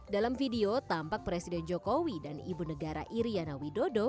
dalam video tampak presiden jokowi dan ibu negara iryana widodo